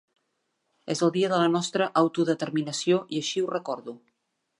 És el dia de la nostra autodeterminació i així ho recordo.